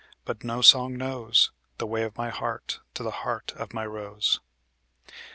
But no song knows The way of my heart to the heart of my rose.